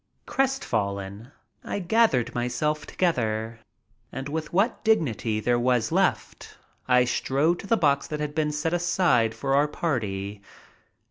Crestfallen, I gathered myself together, and with what dignity there was left I strode to the box that had been set aside for our party.